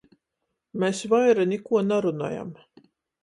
Mes vaira nikuo narunojam.